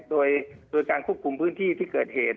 โดยการควบคุมพื้นที่ที่เกิดเหตุ